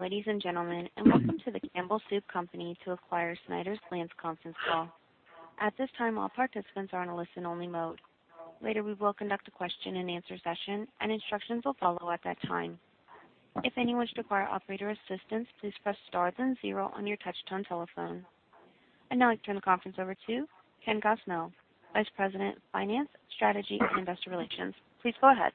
Ladies and gentlemen, welcome to the Campbell Soup Company to acquire Snyder's-Lance conference call. At this time, all participants are on a listen-only mode. Later, we will conduct a question and answer session, instructions will follow at that time. If any wish to require operator assistance, please press star then zero on your touchtone telephone. I'd now like to turn the conference over to Ken Gosnell, Vice President of Finance, Strategy, and Investor Relations. Please go ahead.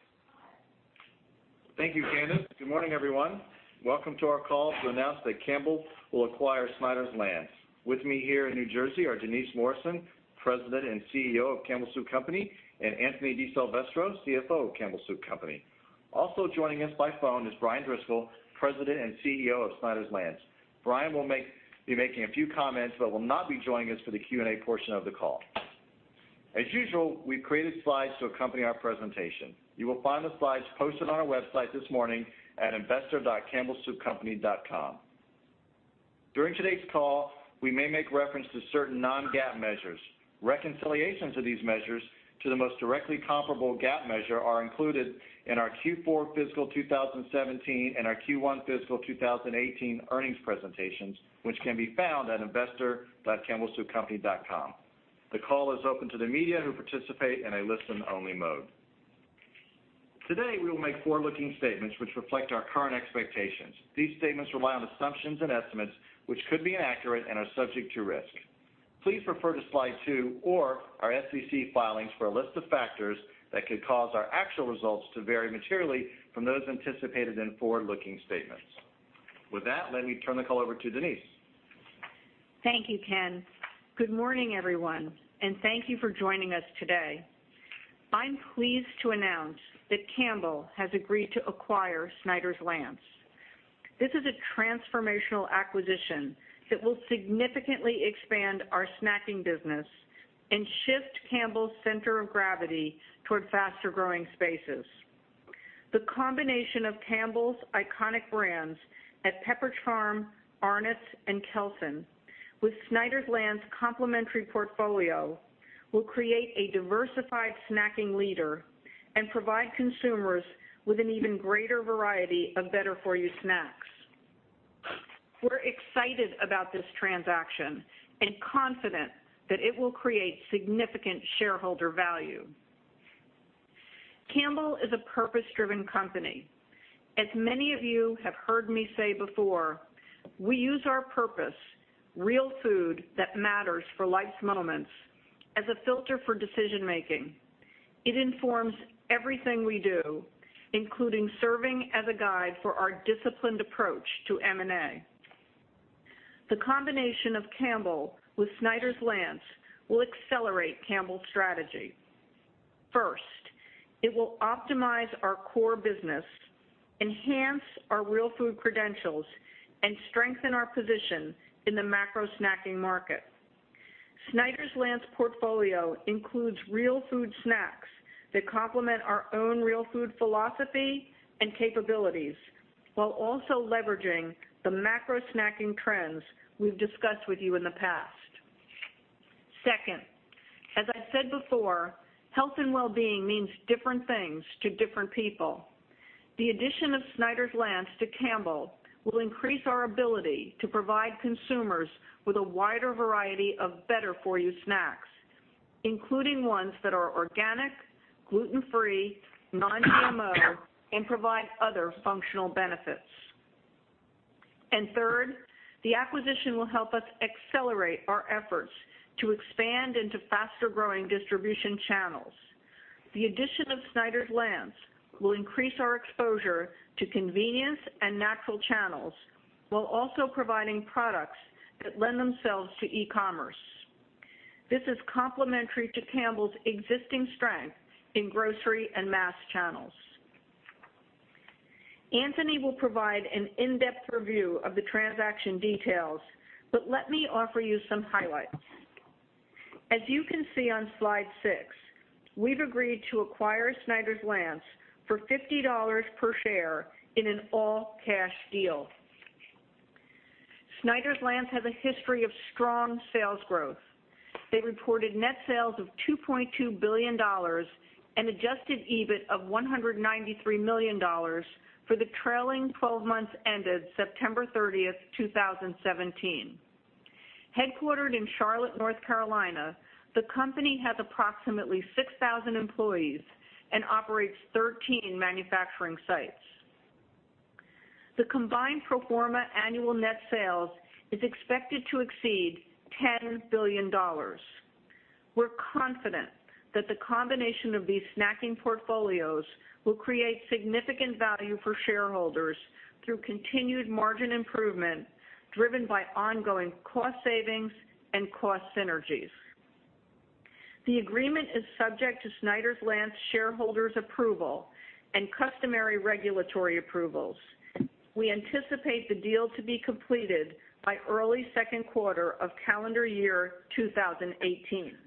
Thank you, Candace. Good morning, everyone. Welcome to our call to announce that Campbell will acquire Snyder's-Lance. With me here in New Jersey are Denise Morrison, President and CEO of Campbell Soup Company, Anthony DiSilvestro, CFO of Campbell Soup Company. Also joining us by phone is Brian Driscoll, President and CEO of Snyder's-Lance. Brian will be making a few comments but will not be joining us for the Q&A portion of the call. As usual, we've created slides to accompany our presentation. You will find the slides posted on our website this morning at investor.campbellsoupcompany.com. During today's call, we may make reference to certain non-GAAP measures. Reconciliations of these measures to the most directly comparable GAAP measure are included in our Q4 fiscal 2017 and our Q1 fiscal 2018 earnings presentations, which can be found at investor.campbellsoupcompany.com. The call is open to the media, who participate in a listen-only mode. Today, we will make forward-looking statements which reflect our current expectations. These statements rely on assumptions and estimates, which could be inaccurate and are subject to risk. Please refer to slide two or our SEC filings for a list of factors that could cause our actual results to vary materially from those anticipated in forward-looking statements. With that, let me turn the call over to Denise. Thank you, Ken. Good morning, everyone, thank you for joining us today. I'm pleased to announce that Campbell has agreed to acquire Snyder's-Lance. This is a transformational acquisition that will significantly expand our snacking business and shift Campbell's center of gravity toward faster-growing spaces. The combination of Campbell's iconic brands at Pepperidge Farm, Arnott's, and Kelsen with Snyder's-Lance complementary portfolio will create a diversified snacking leader and provide consumers with an even greater variety of better-for-you snacks. We're excited about this transaction, confident that it will create significant shareholder value. Campbell is a purpose-driven company. As many of you have heard me say before, we use our purpose, real food that matters for life's moments, as a filter for decision-making. It informs everything we do, including serving as a guide for our disciplined approach to M&A. The combination of Campbell with Snyder's-Lance will accelerate Campbell's strategy. First, it will optimize our core business, enhance our real food credentials, and strengthen our position in the macro snacking market. Snyder's-Lance portfolio includes real food snacks that complement our own real food philosophy and capabilities, while also leveraging the macro snacking trends we've discussed with you in the past. Second, as I've said before, health and wellbeing means different things to different people. The addition of Snyder's-Lance to Campbell will increase our ability to provide consumers with a wider variety of better-for-you snacks, including ones that are organic, gluten-free, non-GMO, and provide other functional benefits. Third, the acquisition will help us accelerate our efforts to expand into faster-growing distribution channels. The addition of Snyder's-Lance will increase our exposure to convenience and natural channels while also providing products that lend themselves to e-commerce. This is complementary to Campbell's existing strength in grocery and mass channels. Anthony will provide an in-depth review of the transaction details, but let me offer you some highlights. As you can see on slide six, we've agreed to acquire Snyder's-Lance for $50 per share in an all-cash deal. Snyder's-Lance has a history of strong sales growth. They reported net sales of $2.2 billion and adjusted EBIT of $193 million for the trailing 12 months ended September 30th, 2017. Headquartered in Charlotte, North Carolina, the company has approximately 6,000 employees and operates 13 manufacturing sites. The combined pro forma annual net sales is expected to exceed $10 billion. We're confident that the combination of these snacking portfolios will create significant value for shareholders through continued margin improvement, driven by ongoing cost savings and cost synergies. The agreement is subject to Snyder's-Lance shareholders approval and customary regulatory approvals. We anticipate the deal to be completed by early second quarter of calendar year 2018.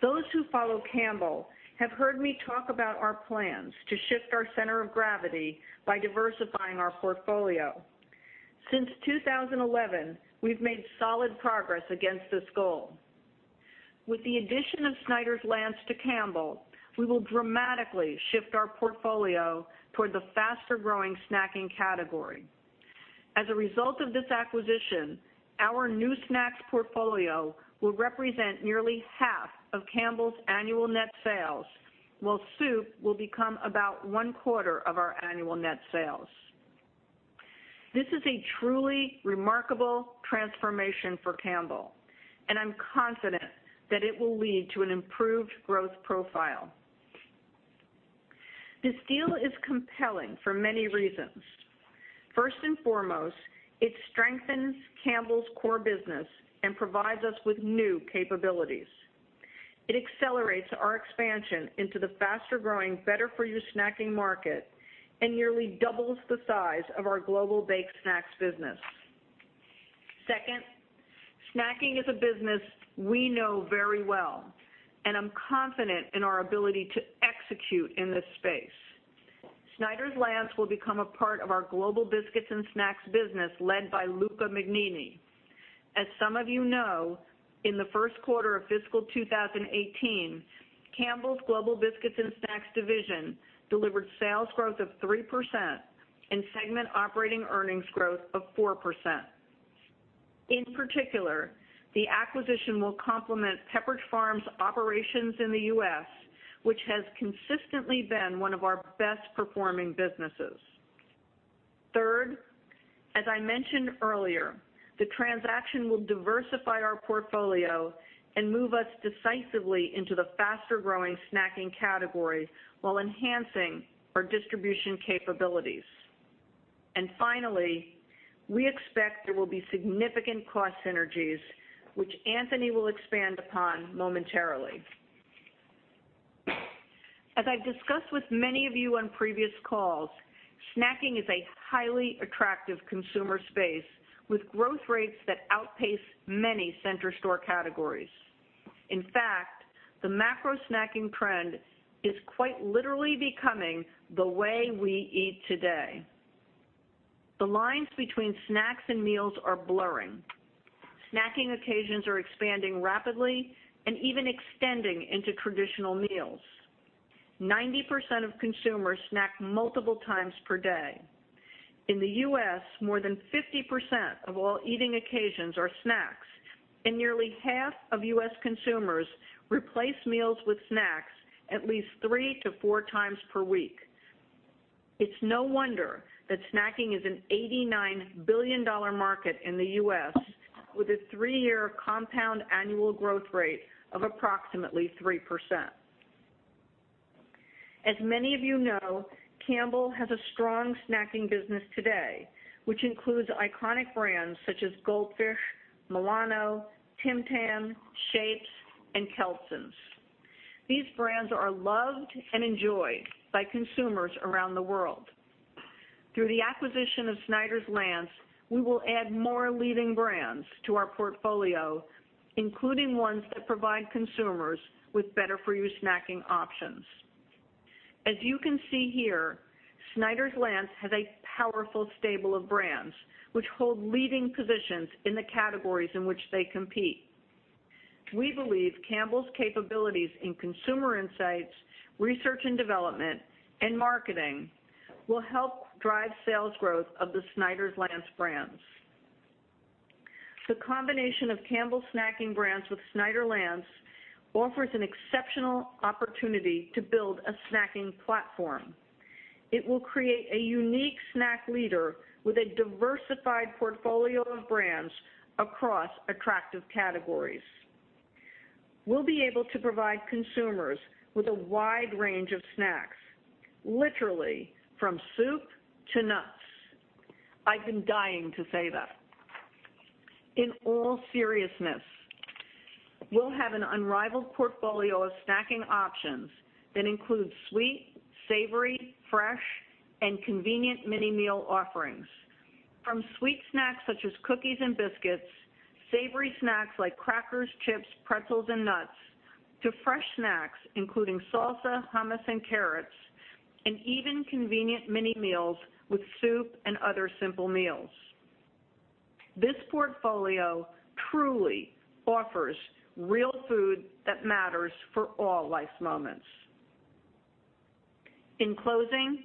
Those who follow Campbell have heard me talk about our plans to shift our center of gravity by diversifying our portfolio. Since 2011, we've made solid progress against this goal. With the addition of Snyder's-Lance to Campbell, we will dramatically shift our portfolio toward the faster-growing snacking category. As a result of this acquisition, our new snacks portfolio will represent nearly half of Campbell's annual net sales, while soup will become about one-quarter of our annual net sales. This is a truly remarkable transformation for Campbell, and I'm confident that it will lead to an improved growth profile. This deal is compelling for many reasons. First and foremost, it strengthens Campbell's core business and provides us with new capabilities. It accelerates our expansion into the faster-growing, better-for-you snacking market and nearly doubles the size of our global baked snacks business. Second, snacking is a business we know very well, and I'm confident in our ability to execute in this space. Snyder's-Lance will become a part of our global biscuits and snacks business led by Luca Mignini. As some of you know, in the first quarter of fiscal 2018, Campbell's global biscuits and snacks division delivered sales growth of 3% and segment operating earnings growth of 4%. In particular, the acquisition will complement Pepperidge Farm's operations in the U.S., which has consistently been one of our best-performing businesses. Third, as I mentioned earlier, the transaction will diversify our portfolio and move us decisively into the faster-growing snacking category while enhancing our distribution capabilities. Finally, we expect there will be significant cost synergies, which Anthony will expand upon momentarily. As I've discussed with many of you on previous calls, snacking is a highly attractive consumer space with growth rates that outpace many center store categories. In fact, the macro snacking trend is quite literally becoming the way we eat today. The lines between snacks and meals are blurring. Snacking occasions are expanding rapidly and even extending into traditional meals. 90% of consumers snack multiple times per day. In the U.S., more than 50% of all eating occasions are snacks, and nearly half of U.S. consumers replace meals with snacks at least three to four times per week. It's no wonder that snacking is an $89 billion market in the U.S. with a three-year compound annual growth rate of approximately 3%. As many of you know, Campbell's has a strong snacking business today, which includes iconic brands such as Goldfish, Milano, Tim Tam, Shapes, and Kelsen. These brands are loved and enjoyed by consumers around the world. Through the acquisition of Snyder's-Lance, we will add more leading brands to our portfolio, including ones that provide consumers with better-for-you snacking options. As you can see here, Snyder's-Lance has a powerful stable of brands, which hold leading positions in the categories in which they compete. We believe Campbell's capabilities in consumer insights, research and development, and marketing will help drive sales growth of the Snyder's-Lance brands. The combination of Campbell's snacking brands with Snyder's-Lance offers an exceptional opportunity to build a snacking platform. It will create a unique snack leader with a diversified portfolio of brands across attractive categories. We'll be able to provide consumers with a wide range of snacks, literally from soup to nuts. I've been dying to say that. In all seriousness, we'll have an unrivaled portfolio of snacking options that includes sweet, savory, fresh, and convenient mini-meal offerings. From sweet snacks such as cookies and biscuits, savory snacks like crackers, chips, pretzels, and nuts, to fresh snacks including salsa, hummus, and carrots, and even convenient mini-meals with soup and other simple meals. This portfolio truly offers real food that matters for all life's moments. In closing,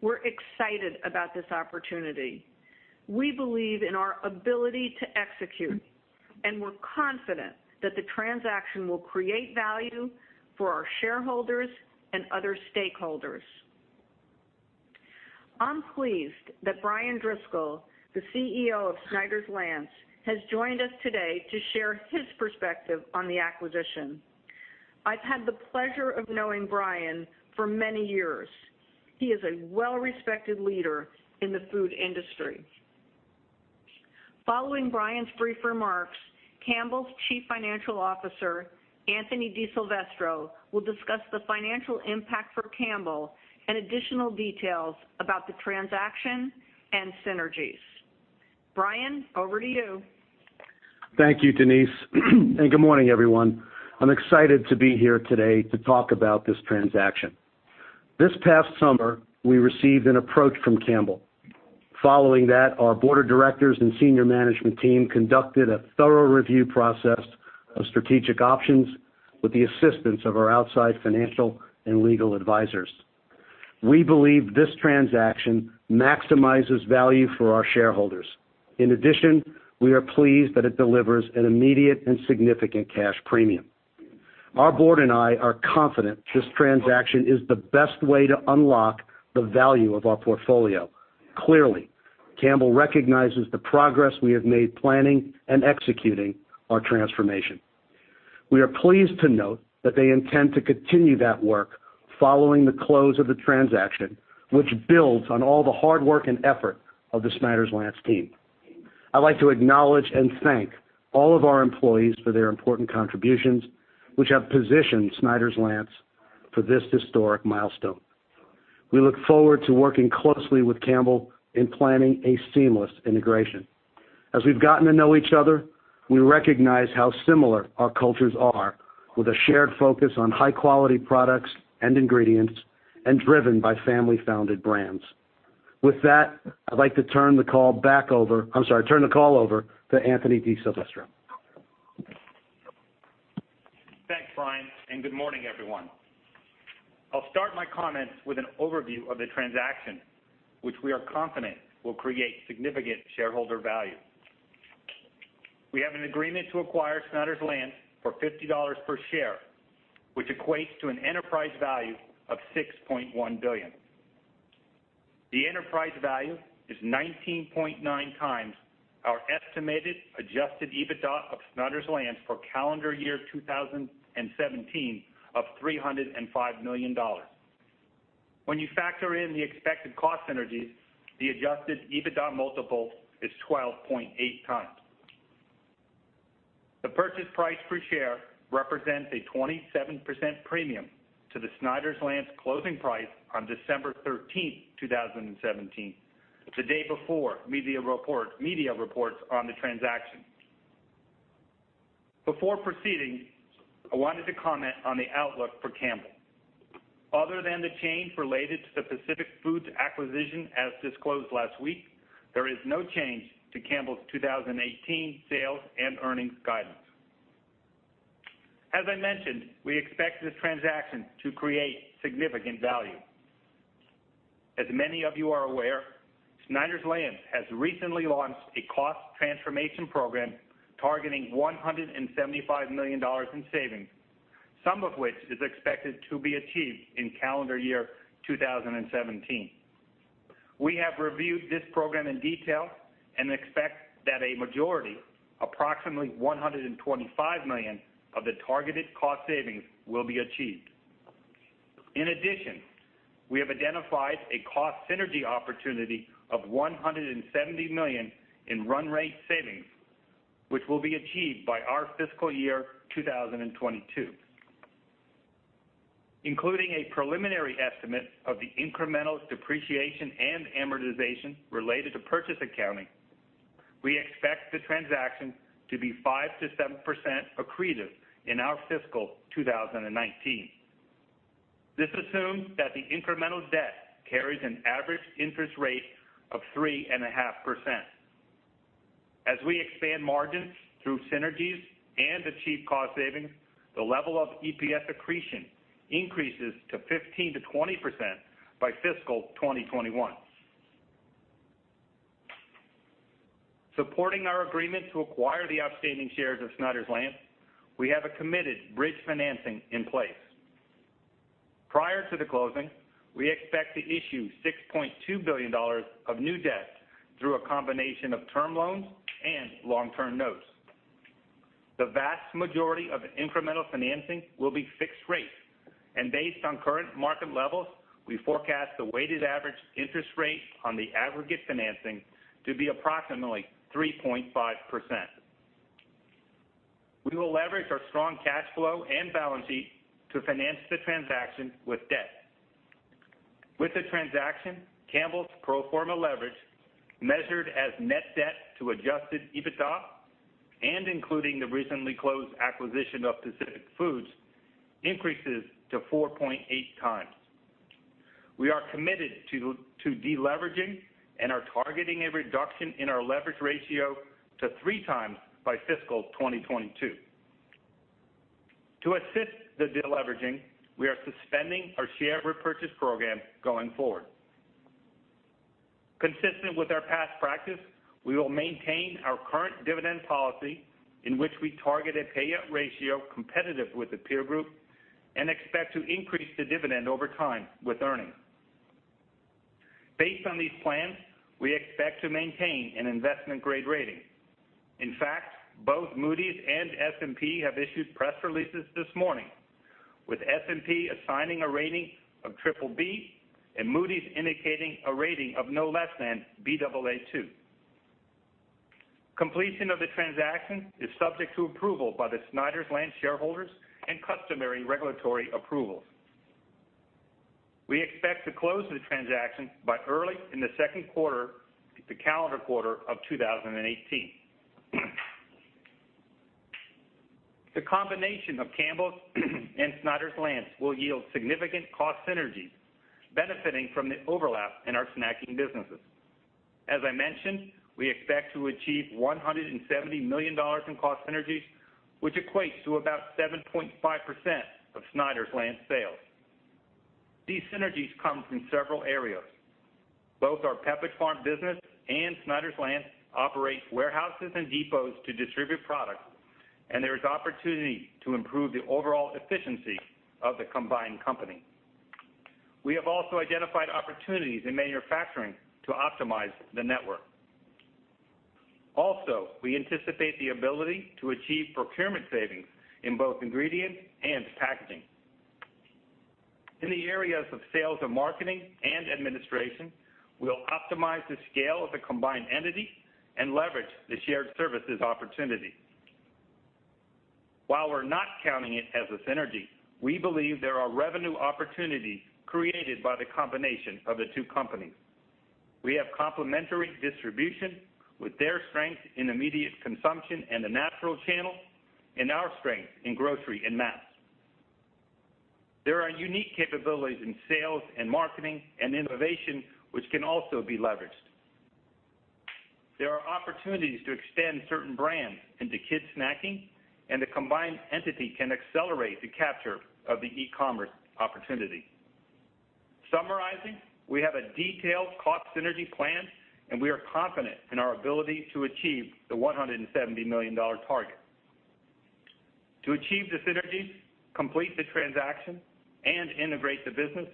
we're excited about this opportunity. We believe in our ability to execute, and we're confident that the transaction will create value for our shareholders and other stakeholders. I'm pleased that Brian Driscoll, the CEO of Snyder's-Lance, has joined us today to share his perspective on the acquisition. I've had the pleasure of knowing Brian for many years. He is a well-respected leader in the food industry. Following Brian's brief remarks, Campbell's Chief Financial Officer, Anthony DiSilvestro, will discuss the financial impact for Campbell's and additional details about the transaction and synergies. Brian, over to you. Thank you, Denise. Good morning, everyone. I'm excited to be here today to talk about this transaction. This past summer, we received an approach from Campbell. Following that, our board of directors and senior management team conducted a thorough review process of strategic options with the assistance of our outside financial and legal advisors. We believe this transaction maximizes value for our shareholders. In addition, we are pleased that it delivers an immediate and significant cash premium. Our board and I are confident this transaction is the best way to unlock the value of our portfolio. Clearly, Campbell recognizes the progress we have made planning and executing our transformation. We are pleased to note that they intend to continue that work following the close of the transaction, which builds on all the hard work and effort of the Snyder's-Lance team. I'd like to acknowledge and thank all of our employees for their important contributions, which have positioned Snyder's-Lance for this historic milestone. We look forward to working closely with Campbell in planning a seamless integration. As we've gotten to know each other, we recognize how similar our cultures are, with a shared focus on high-quality products and ingredients, and driven by family-founded brands. With that, I'd like to turn the call over to Anthony DiSilvestro. Thanks, Brian. Good morning, everyone. I'll start my comments with an overview of the transaction, which we are confident will create significant shareholder value. We have an agreement to acquire Snyder's-Lance for $50 per share, which equates to an enterprise value of $6.1 billion. The enterprise value is 19.9 times our estimated adjusted EBITDA of Snyder's-Lance for calendar year 2017 of $305 million. When you factor in the expected cost synergies, the adjusted EBITDA multiple is 12.8 times. The purchase price per share represents a 27% premium to the Snyder's-Lance closing price on December 13th, 2017, the day before media reports on the transaction. Before proceeding, I wanted to comment on the outlook for Campbell. Other than the change related to the Pacific Foods acquisition as disclosed last week, there is no change to Campbell's 2018 sales and earnings guidance. As I mentioned, we expect this transaction to create significant value. As many of you are aware, Snyder's-Lance has recently launched a cost transformation program targeting $175 million in savings, some of which is expected to be achieved in calendar year 2017. We have reviewed this program in detail and expect that a majority, approximately $125 million of the targeted cost savings will be achieved. In addition, we have identified a cost synergy opportunity of $170 million in run rate savings, which will be achieved by our fiscal year 2022. Including a preliminary estimate of the incremental depreciation and amortization related to purchase accounting, we expect the transaction to be 5%-7% accretive in our fiscal 2019. This assumes that the incremental debt carries an average interest rate of 3.5%. As we expand margins through synergies and achieve cost savings, the level of EPS accretion increases to 15%-20% by fiscal 2021. Supporting our agreement to acquire the outstanding shares of Snyder's-Lance, we have a committed bridge financing in place. Prior to the closing, we expect to issue $6.2 billion of new debt through a combination of term loans and long-term notes. The vast majority of incremental financing will be fixed rate, and based on current market levels, we forecast the weighted average interest rate on the aggregate financing to be approximately 3.5%. We will leverage our strong cash flow and balance sheet to finance the transaction with debt. With the transaction, Campbell's pro forma leverage, measured as net debt to adjusted EBITDA, and including the recently closed acquisition of Pacific Foods, increases to 4.8 times. We are committed to deleveraging and are targeting a reduction in our leverage ratio to 3 times by fiscal 2022. To assist the deleveraging, we are suspending our share repurchase program going forward. Consistent with our past practice, we will maintain our current dividend policy in which we target a payout ratio competitive with the peer group and expect to increase the dividend over time with earnings. Based on these plans, we expect to maintain an investment-grade rating. In fact, both Moody's and S&P have issued press releases this morning, with S&P assigning a rating of BBB and Moody's indicating a rating of no less than Baa2. Completion of the transaction is subject to approval by the Snyder's-Lance shareholders and customary regulatory approvals. We expect to close the transaction by early in the second quarter, the calendar quarter, of 2018. The combination of Campbell and Snyder's-Lance will yield significant cost synergies benefiting from the overlap in our snacking businesses. As I mentioned, we expect to achieve $170 million in cost synergies, which equates to about 7.5% of Snyder's-Lance sales. These synergies come from several areas. Both our Pepperidge Farm business and Snyder's-Lance operate warehouses and depots to distribute product, and there is opportunity to improve the overall efficiency of the combined company. We have also identified opportunities in manufacturing to optimize the network. We anticipate the ability to achieve procurement savings in both ingredient and packaging. In the areas of sales and marketing and administration, we'll optimize the scale of the combined entity and leverage the shared services opportunity. While we're not counting it as a synergy, we believe there are revenue opportunities created by the combination of the two companies. We have complementary distribution with their strength in immediate consumption and the natural channel and our strength in grocery and mass. There are unique capabilities in sales and marketing and innovation, which can also be leveraged. There are opportunities to extend certain brands into kids snacking, and the combined entity can accelerate the capture of the e-commerce opportunity. We have a detailed cost synergy plan, and we are confident in our ability to achieve the $170 million target. To achieve the synergy, complete the transaction, and integrate the business,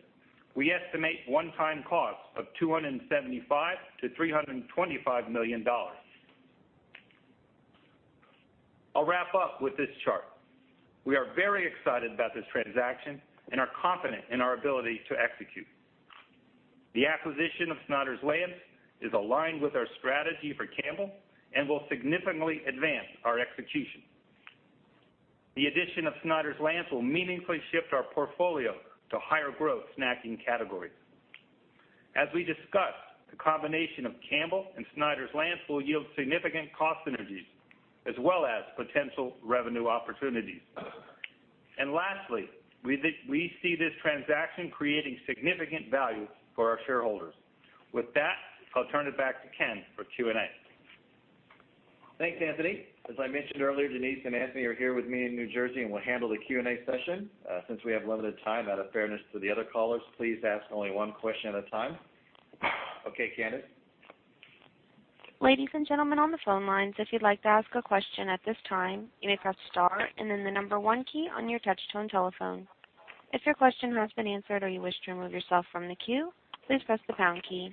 we estimate one-time costs of $275 million-$325 million. I'll wrap up with this chart. We are very excited about this transaction and are confident in our ability to execute. The acquisition of Snyder's-Lance is aligned with our strategy for Campbell and will significantly advance our execution. The addition of Snyder's-Lance will meaningfully shift our portfolio to higher growth snacking categories. As we discussed, the combination of Campbell and Snyder's-Lance will yield significant cost synergies as well as potential revenue opportunities. Lastly, we see this transaction creating significant value for our shareholders. With that, I'll turn it back to Ken for Q&A. Thanks, Anthony. As I mentioned earlier, Denise and Anthony are here with me in New Jersey and will handle the Q&A session. Since we have limited time, out of fairness to the other callers, please ask only one question at a time. Okay, Candace. Ladies and gentlemen on the phone lines, if you'd like to ask a question at this time, you may press star and then the number 1 key on your touch-tone telephone. If your question has been answered or you wish to remove yourself from the queue, please press the pound key.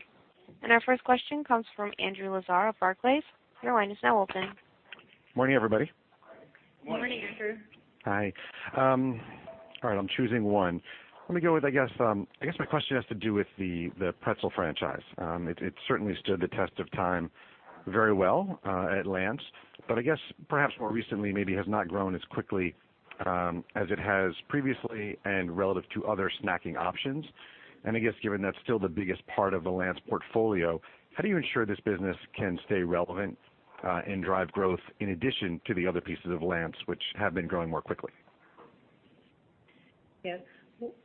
Our first question comes from Andrew Lazar of Barclays. Your line is now open. Morning, everybody. Morning. Morning. Hi. All right. I'm choosing one. Let me go with, I guess my question has to do with the pretzel franchise. It certainly stood the test of time very well at Lance, I guess perhaps more recently, maybe has not grown as quickly as it has previously and relative to other snacking options. I guess given that's still the biggest part of the Lance portfolio, how do you ensure this business can stay relevant and drive growth in addition to the other pieces of Lance which have been growing more quickly? Yes.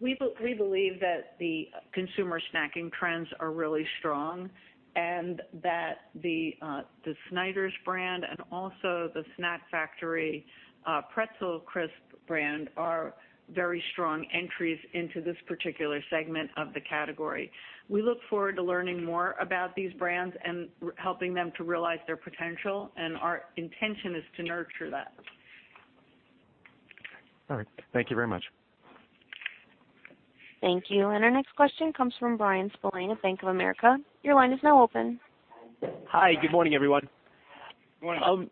We believe that the consumer snacking trends are really strong, that the Snyder's brand and also the Snack Factory Pretzel Crisps brand are very strong entries into this particular segment of the category. We look forward to learning more about these brands and helping them to realize their potential, our intention is to nurture that. All right. Thank you very much. Thank you. Our next question comes from Bryan Spillane of Bank of America. Your line is now open. Hi. Good morning, everyone. Morning.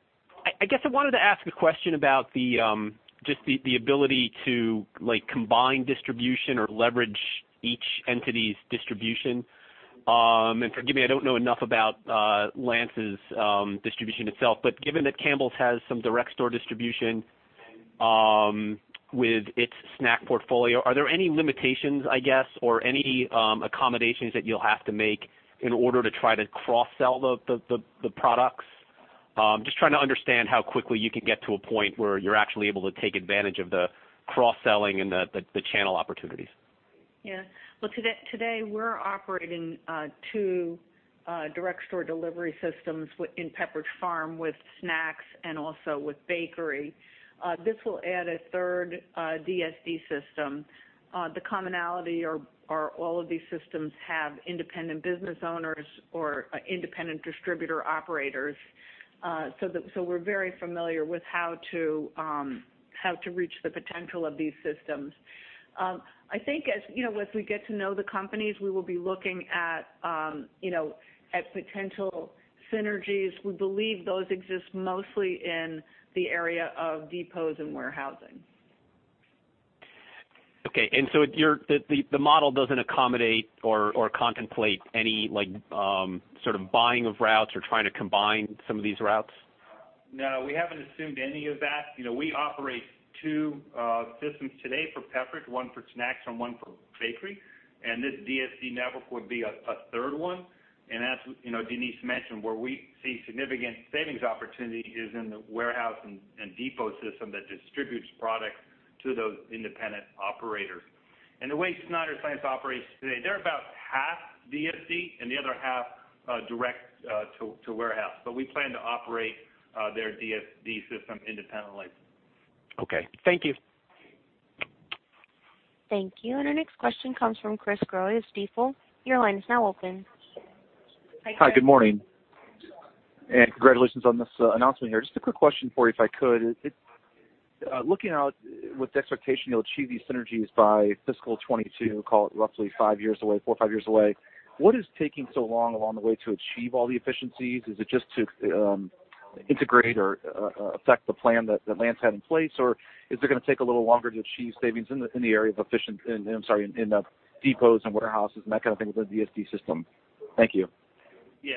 I guess I wanted to ask a question about just the ability to combine distribution or leverage each entity's distribution. Forgive me, I don't know enough about Lance's distribution itself, but given that Campbell's has some direct store distribution with its snack portfolio, are there any limitations, I guess, or any accommodations that you'll have to make in order to try to cross-sell the products? Just trying to understand how quickly you can get to a point where you're actually able to take advantage of the cross-selling and the channel opportunities. Yeah. Well, today, we're operating two direct store delivery systems within Pepperidge Farm with snacks and also with bakery. This will add a third DSD system. The commonality are all of these systems have independent business owners or independent distributor operators. We're very familiar with how to reach the potential of these systems. I think as we get to know the companies, we will be looking at potential synergies. We believe those exist mostly in the area of depots and warehousing. Okay. The model doesn't accommodate or contemplate any buying of routes or trying to combine some of these routes? No, we haven't assumed any of that. We operate Two systems today for Pepperidge Farm, one for snacks and one for bakery, this DSD network would be a third one. As Denise mentioned, where we see significant savings opportunity is in the warehouse and depot system that distributes product to those independent operators. The way Snyder's-Lance operates today, they're about half DSD and the other half direct to warehouse. We plan to operate their DSD system independently. Okay. Thank you. Thank you. Our next question comes from Chris Growe of Stifel. Your line is now open. Hi, good morning, congratulations on this announcement here. Just a quick question for you if I could. Looking out with the expectation you'll achieve these synergies by FY 2022, call it roughly four or five years away, what is taking so long along the way to achieve all the efficiencies? Is it just to integrate or affect the plan that Lance had in place, or is it going to take a little longer to achieve savings in the area of, I'm sorry, in the depots and warehouses and that kind of thing with the DSD system? Thank you. Yeah.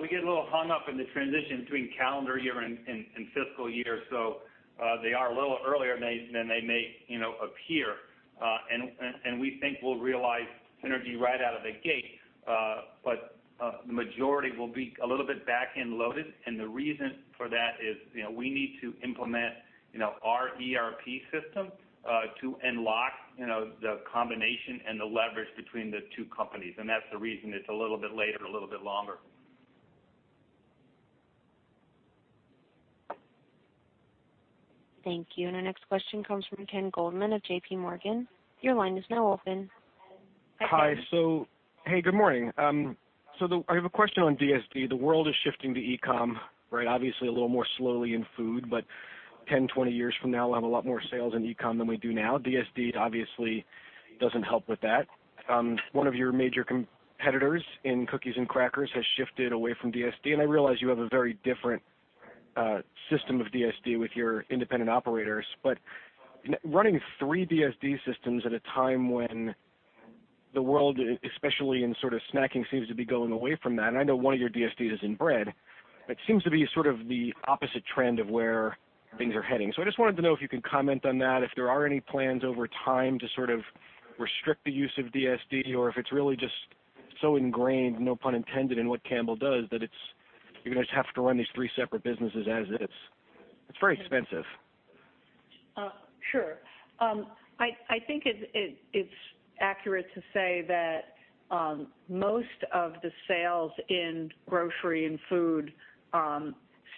We get a little hung up in the transition between calendar year and fiscal year. They are a little earlier than they may appear. We think we'll realize synergy right out of the gate. The majority will be a little bit back-end loaded. The reason for that is we need to implement our ERP system, to unlock the combination and the leverage between the two companies. That's the reason it's a little bit later, a little bit longer. Thank you. Our next question comes from Ken Goldman of JPMorgan. Your line is now open. Hi. Hey, good morning. I have a question on DSD. The world is shifting to e-com, right? Obviously a little more slowly in food, but 10, 20 years from now, we'll have a lot more sales in e-com than we do now. DSD obviously doesn't help with that. One of your major competitors in cookies and crackers has shifted away from DSD, and I realize you have a very different system of DSD with your independent operators. Running three DSD systems at a time when the world, especially in sort of snacking, seems to be going away from that, and I know one of your DSDs is in bread, it seems to be sort of the opposite trend of where things are heading. I just wanted to know if you can comment on that, if there are any plans over time to sort of restrict the use of DSD, or if it's really just so ingrained, no pun intended, in what Campbell's does, that you're going to just have to run these three separate businesses as is. It's very expensive. Sure. I think it's accurate to say that most of the sales in grocery and food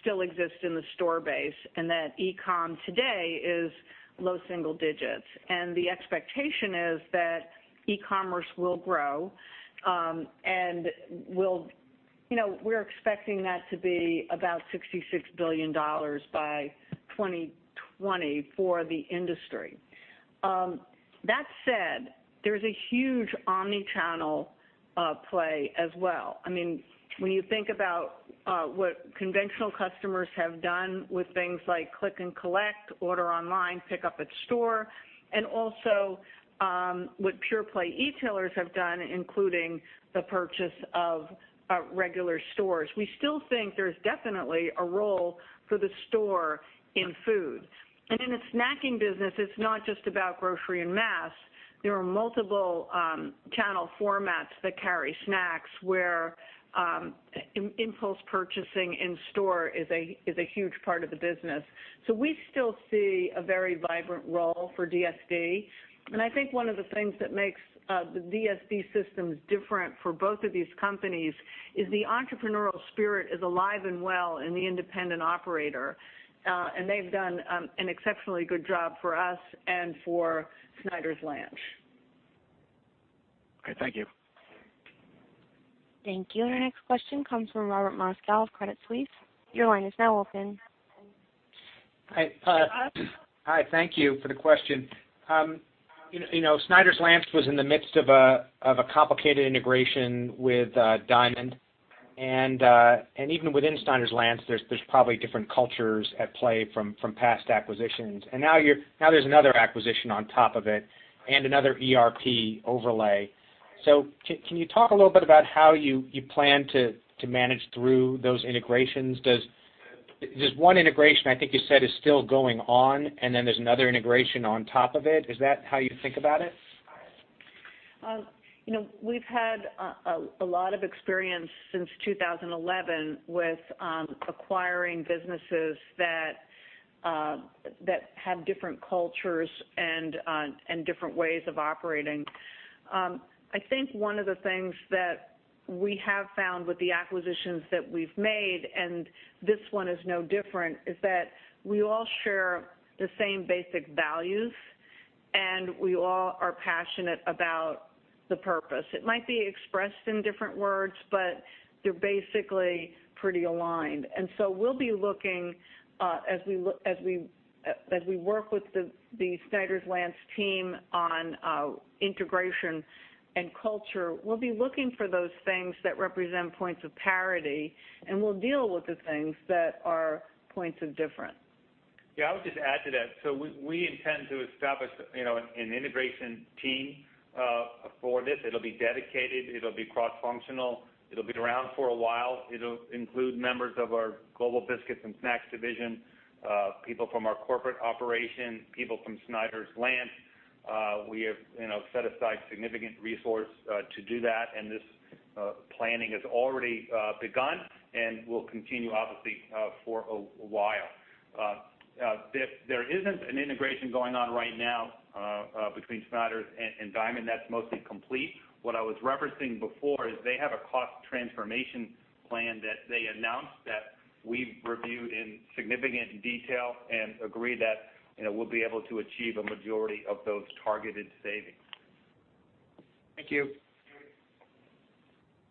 still exist in the store base, and that e-com today is low single digits. The expectation is that e-commerce will grow, and we're expecting that to be about $66 billion by 2020 for the industry. That said, there's a huge omni-channel play as well. When you think about what conventional customers have done with things like click and collect, order online, pick up at store, and also what pure play e-tailers have done, including the purchase of regular stores. We still think there's definitely a role for the store in food. In a snacking business, it's not just about grocery and mass. There are multiple channel formats that carry snacks, where impulse purchasing in store is a huge part of the business. We still see a very vibrant role for DSD, and I think one of the things that makes the DSD systems different for both of these companies is the entrepreneurial spirit is alive and well in the independent operator, and they've done an exceptionally good job for us and for Snyder's-Lance. Okay. Thank you. Thank you. Our next question comes from Robert Moskow of Credit Suisse. Your line is now open. Hi. Thank you for the question. Snyder's-Lance was in the midst of a complicated integration with Diamond. Even within Snyder's-Lance, there's probably different cultures at play from past acquisitions. Now there's another acquisition on top of it and another ERP overlay. Can you talk a little bit about how you plan to manage through those integrations? There's one integration I think you said is still going on, then there's another integration on top of it. Is that how you think about it? We've had a lot of experience since 2011 with acquiring businesses that have different cultures and different ways of operating. I think one of the things that we have found with the acquisitions that we've made, and this one is no different, is that we all share the same basic values, and we all are passionate about the purpose. It might be expressed in different words, but they're basically pretty aligned. We'll be looking, as we work with the Snyder's-Lance team on integration and culture, we'll be looking for those things that represent points of parity, and we'll deal with the things that are points of difference. Yeah, I would just add to that. We intend to establish an integration team for this. It'll be dedicated, it'll be cross-functional, it'll be around for a while. It'll include members of our global biscuits and snacks division, people from our corporate operation, people from Snyder's-Lance. We have set aside significant resource to do that, and this planning has already begun and will continue, obviously, for a while. There isn't an integration going on right now between Snyder's and Diamond. That's mostly complete. What I was referencing before is they have a cost transformation plan that they announced that we've reviewed in significant detail and agree that we'll be able to achieve a majority of those targeted savings. Thank you.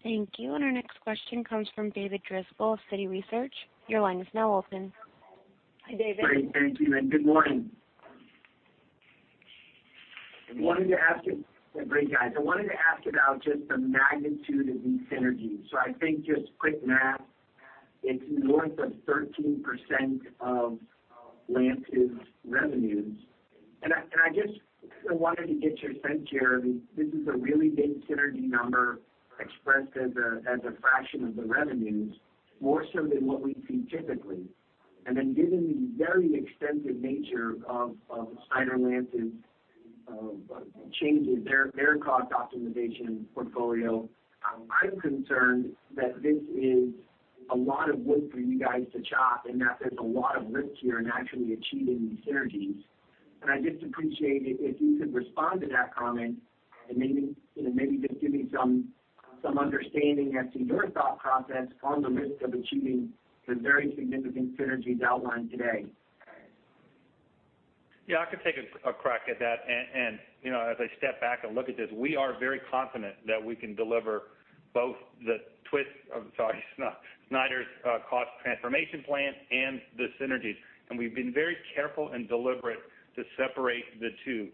Thank you. Our next question comes from David Driscoll of Citi Research. Your line is now open. Hi, David. Great. Thank you, and good morning. Great, guys. I wanted to ask about just the magnitude of these synergies. I think just quick math, it's north of 13% of Lance's revenues. I just wanted to get your sense, [inaudible] this is a really big synergy number expressed as a fraction of the revenues, more so than what we see typically. Then given the very extensive nature of Snyder's-Lance's changes, their cost optimization portfolio, I'm concerned that this is a lot of wood for you guys to chop and that there's a lot of risk here in actually achieving these synergies. I'd just appreciate it if you could respond to that comment and maybe just give me some understanding as to your thought process on the risk of achieving the very significant synergies outlined today. Yeah, I can take a crack at that. As I step back and look at this, we are very confident that we can deliver both the Snyder's cost transformation plan and the synergies. We've been very careful and deliberate to separate the two.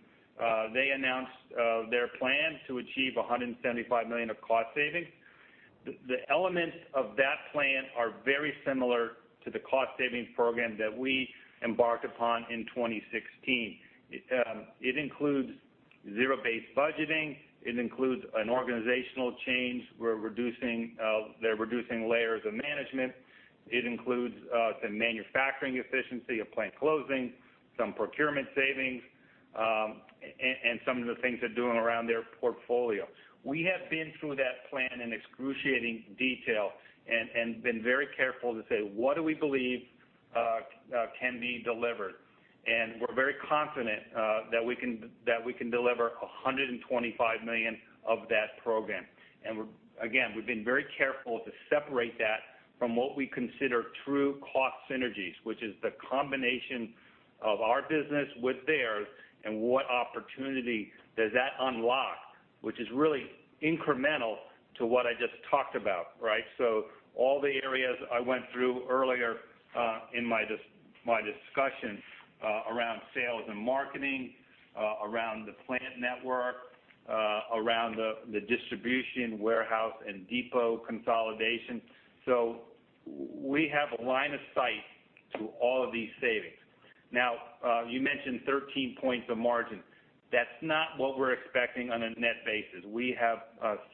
They announced their plan to achieve $175 million of cost savings. The elements of that plan are very similar to the cost-savings program that we embarked upon in 2016. It includes zero-based budgeting. It includes an organizational change. They're reducing layers of management. It includes some manufacturing efficiency, a plant closing, some procurement savings, and some of the things they're doing around their portfolio. We have been through that plan in excruciating detail and been very careful to say what do we believe can be delivered. We're very confident that we can deliver $125 million of that program. Again, we've been very careful to separate that from what we consider true cost synergies, which is the combination of our business with theirs and what opportunity does that unlock, which is really incremental to what I just talked about, right? All the areas I went through earlier in my discussion around sales and marketing, around the plant network, around the distribution warehouse and depot consolidation. We have a line of sight to all of these savings. Now, you mentioned 13 points of margin. That's not what we're expecting on a net basis. We have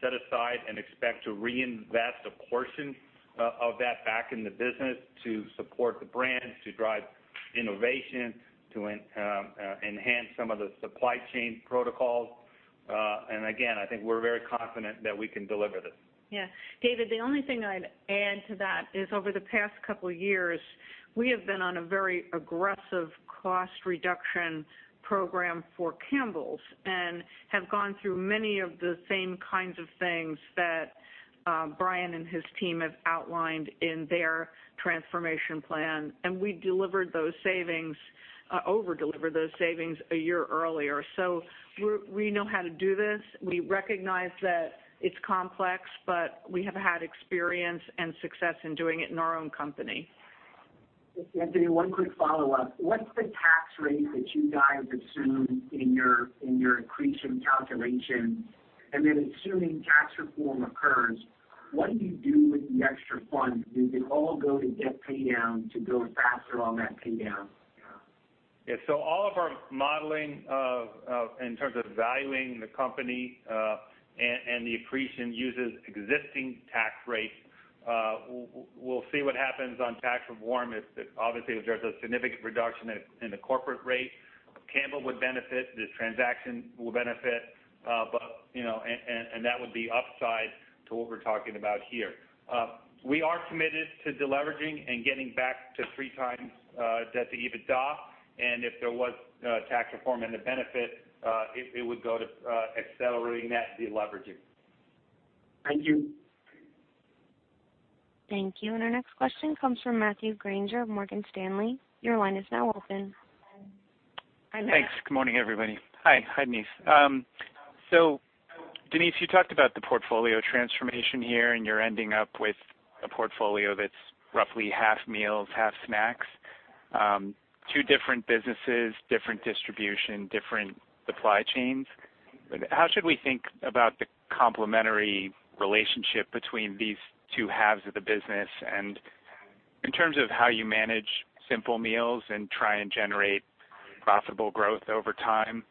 set aside and expect to reinvest a portion of that back in the business to support the brands, to drive innovation, to enhance some of the supply chain protocols. Again, I think we're very confident that we can deliver this. Yeah. David, the only thing I'd add to that is over the past couple of years, we have been on a very aggressive cost reduction program for Campbell's and have gone through many of the same kinds of things that Brian and his team have outlined in their transformation plan. We delivered those savings, over-delivered those savings, a year earlier. We know how to do this. We recognize that it's complex, but we have had experience and success in doing it in our own company. Anthony, one quick follow-up. What's the tax rate that you guys assume in your accretion calculation? Assuming tax reform occurs, what do you do with the extra funds? Do they all go to debt pay down to go faster on that pay down? Yeah. All of our modeling in terms of valuing the company, and the accretion uses existing tax rates. We'll see what happens on tax reform. Obviously, if there's a significant reduction in the corporate rate, Campbell's would benefit, this transaction will benefit, and that would be upside to what we're talking about here. We are committed to de-leveraging and getting back to 3 times debt to EBITDA. If there was tax reform and the benefit, it would go to accelerating that de-leveraging. Thank you. Thank you. Our next question comes from Matthew Grainger of Morgan Stanley. Your line is now open. Hi, Matt. Thanks. Good morning, everybody. Hi, Denise. Denise, you talked about the portfolio transformation here, and you're ending up with a portfolio that's roughly half meals, half snacks. Two different businesses, different distribution, different supply chains. How should we think about the complementary relationship between these two halves of the business? In terms of how you manage simple meals and try and generate profitable growth over time,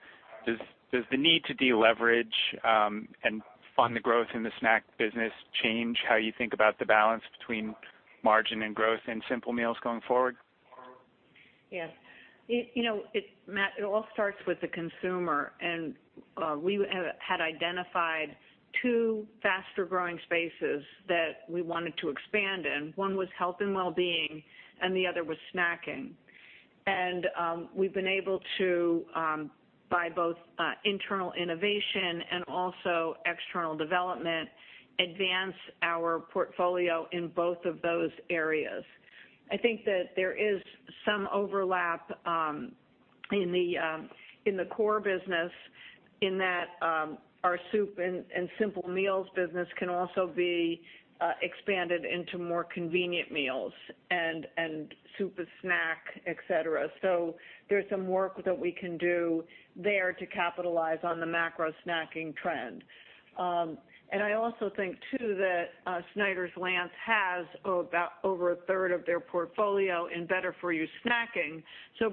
does the need to de-leverage and fund the growth in the snack business change how you think about the balance between margin and growth in simple meals going forward? Yes. Matt, it all starts with the consumer, and we had identified two faster-growing spaces that we wanted to expand in. One was health and wellbeing, and the other was snacking. We've been able to, by both internal innovation and also external development, advance our portfolio in both of those areas. I think that there is some overlap in the core business in that our soup and simple meals business can also be expanded into more convenient meals and soup with snack, et cetera. There's some work that we can do there to capitalize on the macro snacking trend. I also think, too, that Snyder's-Lance has about over a third of their portfolio in better-for-you snacking.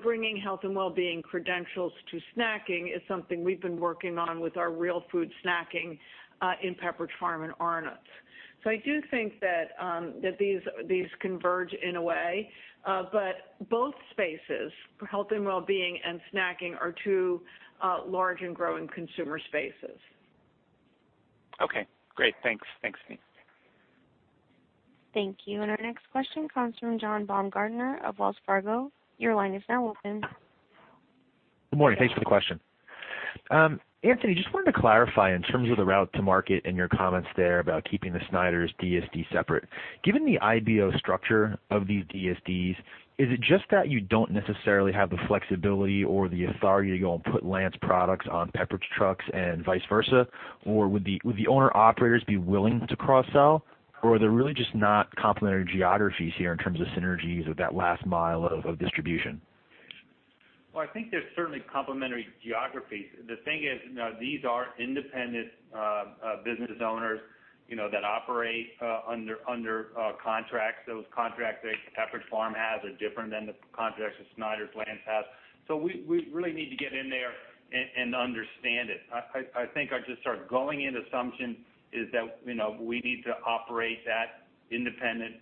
Bringing health and wellbeing credentials to snacking is something we've been working on with our real food snacking in Pepperidge Farm and Arnott's. I do think that these converge in a way, both spaces, health and wellbeing and snacking, are two large and growing consumer spaces. Okay, great. Thanks. Thanks, Denise. Thank you. Our next question comes from John Baumgartner of Wells Fargo. Your line is now open. Good morning. Thanks for the question. Anthony, just wanted to clarify in terms of the route to market and your comments there about keeping the Snyder's DSD separate. Given the IBO structure of these DSDs, is it just that you don't necessarily have the flexibility or the authority to go and put Lance products on Pepperidge trucks and vice versa? Would the owner-operators be willing to cross-sell? Are there really just not complementary geographies here in terms of synergies with that last mile of distribution? I think there's certainly complementary geographies. The thing is, these are independent business owners that operate under contracts. Those contracts that Pepperidge Farm has are different than the contracts that Snyder's-Lance has. We really need to get in there and understand it. I think our just sort of going in assumption is that we need to operate that independent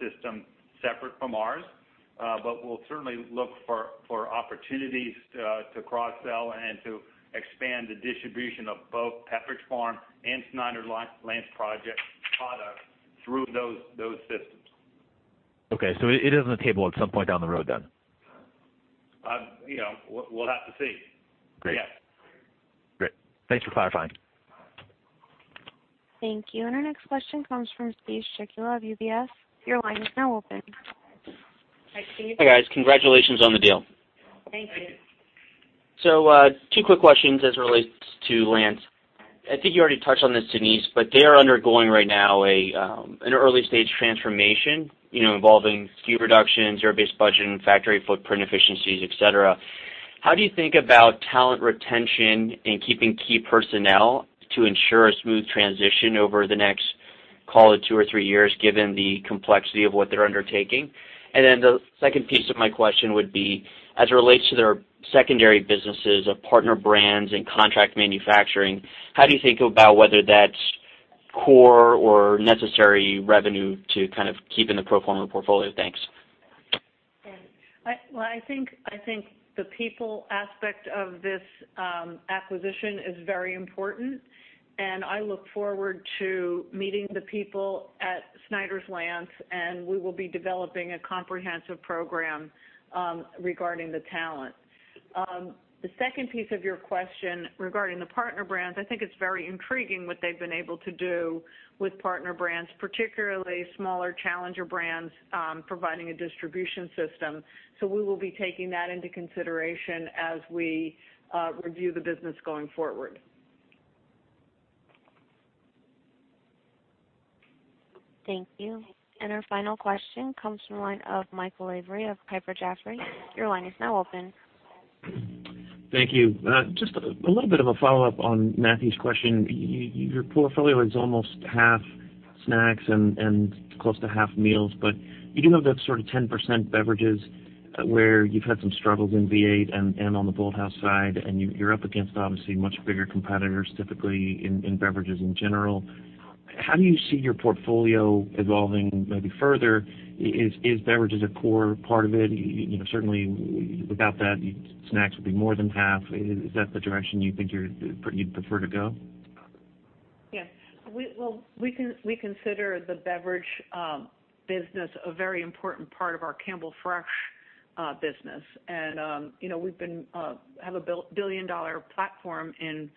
system separate from ours. We'll certainly look for opportunities to cross-sell and to expand the distribution of both Pepperidge Farm and Snyder's-Lance products through those systems. Okay, it is on the table at some point down the road, then? We'll have to see. Great. Yeah. Great. Thanks for clarifying. Thank you. Our next question comes from Steven Strycula of UBS. Your line is now open. Hi, Steve. Hey, guys. Congratulations on the deal. Thank you. Two quick questions as it relates to Lance. I think you already touched on this, Denise, but they are undergoing right now an early-stage transformation, involving SKU reductions, zero-based budgeting, factory footprint efficiencies, et cetera. How do you think about talent retention and keeping key personnel to ensure a smooth transition over the next, call it two or three years, given the complexity of what they're undertaking? The second piece of my question would be, as it relates to their secondary businesses of partner brands and contract manufacturing, how do you think about whether that's core or necessary revenue to kind of keep in the pro forma portfolio? Thanks. I think the people aspect of this acquisition is very important, and I look forward to meeting the people at Snyder's-Lance, and we will be developing a comprehensive program regarding the talent. The second piece of your question regarding the partner brands, I think it's very intriguing what they've been able to do with partner brands, particularly smaller challenger brands providing a distribution system. We will be taking that into consideration as we review the business going forward. Thank you. Our final question comes from the line of Michael Lavery of Piper Sandler. Your line is now open. Thank you. Just a little bit of a follow-up on Matthew's question. Your portfolio is almost half snacks and close to half meals, but you do have that sort of 10% beverages where you've had some struggles in V8 and on the Bolthouse side, and you're up against obviously much bigger competitors typically in beverages in general. How do you see your portfolio evolving maybe further? Is beverages a core part of it? Certainly, without that, snacks would be more than half. Is that the direction you think you'd prefer to go? Yes. We consider the beverage business a very important part of our Campbell Fresh business, we have a billion-dollar platform in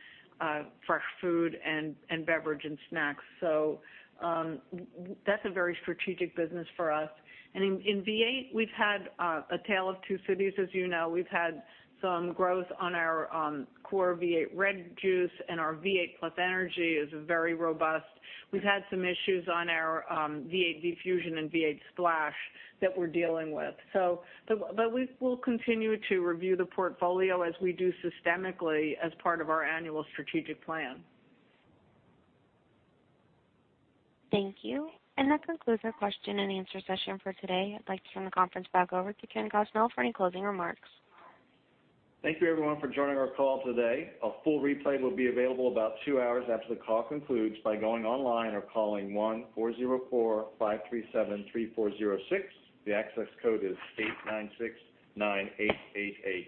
fresh food and beverage and snacks. That's a very strategic business for us. In V8, we've had a tale of two cities, as you know. We've had some growth on our core V8 Red juice, and our V8 Plus Energy is very robust. We've had some issues on our V8 V-Fusion and V8 Splash that we're dealing with. We'll continue to review the portfolio as we do systemically as part of our annual strategic plan. Thank you. That concludes our question and answer session for today. I'd like to turn the conference back over to Ken Gosnell for any closing remarks. Thank you, everyone, for joining our call today. A full replay will be available about 2 hours after the call concludes by going online or calling 1-404-537-3406. The access code is 8969888.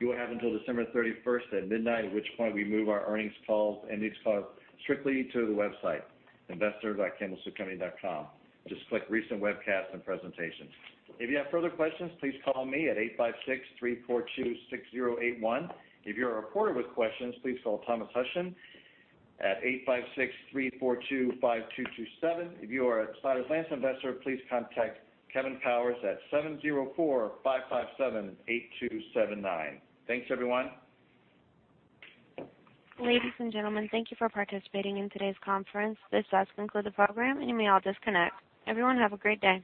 You will have until December 31st at midnight, at which point we move our earnings calls and these calls strictly to the website, investors.campbellsoupcompany.com. Just click Recent Webcasts and Presentations. If you have further questions, please call me at 856-342-6081. If you're a reporter with questions, please call Thomas Hushen at 856-342-5227. If you are a Snyder's-Lance investor, please contact Kevin Powers at 704-557-8279. Thanks, everyone. Ladies and gentlemen, thank you for participating in today's conference. This does conclude the program, and you may all disconnect. Everyone have a great day.